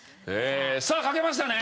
さあ書けましたね？